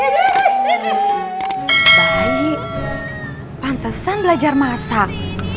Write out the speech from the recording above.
bayi pantesan belajar masak